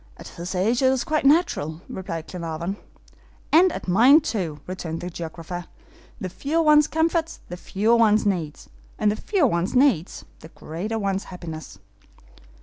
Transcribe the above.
"At his age it is quite natural," replied Glenarvan. "And at mine, too," returned the geographer. "The fewer one's comforts, the fewer one's needs; and the fewer one's needs, the greater one's happiness."